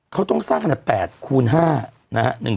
เขาต้องสร้างขนาด๘คูณ๕นะฮะ